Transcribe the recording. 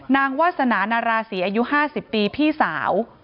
วาสนานาราศีอายุ๕๐ปีพี่สาว